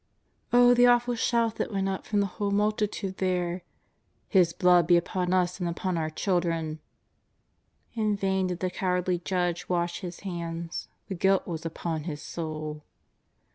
Oh, the awful shout that went up from the "whole multitude there: " His blood be upon us and upon our children !" In vain did the cowardly judge wash his hands, the guilt was upon his soul.